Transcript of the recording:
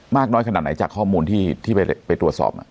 น้อยขนาดไหนจากข้อมูลที่ไปตรวจสอบ